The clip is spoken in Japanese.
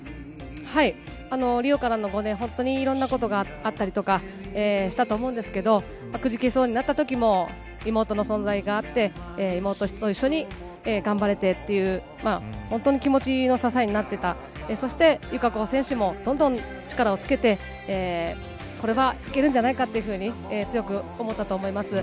リオからの５年、本当にいろんなことがあったりとかしたと思うんですけど、くじけそうになったときも、妹の存在があって、妹と一緒に頑張れてっていう、本当に気持ちの支えになっていた、そして友香子選手も、どんどん力をつけて、これはいけるんじゃないかというふうに強く思ったと思います。